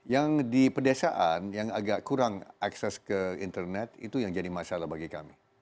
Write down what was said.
yang di pedesaan yang agak kurang akses ke internet itu yang jadi masalah bagi kami